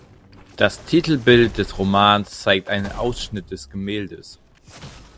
Das Titelbild des Romans zeigt einen Ausschnitt des Gemäldes.